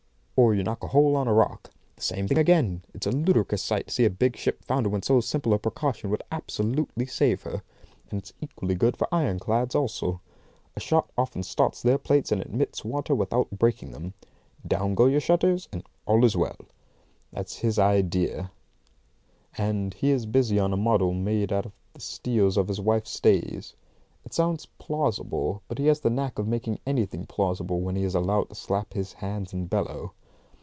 Or you knock a hole on a rock. The same thing again. It's a ludicrous sight to see a big ship founder when so simple a precaution would absolutely save her. And it's equally good for ironclads also. A shot often starts their plates and admits water without breaking them. Down go your shutters, and all is well." That's his idea, and he is busy on a model made out of the steels of his wife's stays. It sounds plausible, but he has the knack of making anything plausible when he is allowed to slap his hands and bellow.